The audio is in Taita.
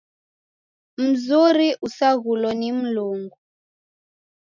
Mzuri usaghulo ni Mlungu.